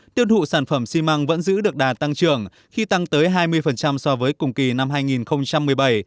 tiêu thụ sản phẩm xi măng vẫn giữ được đà tăng trưởng khi tăng tới hai mươi so với cùng kỳ năm hai nghìn một mươi bảy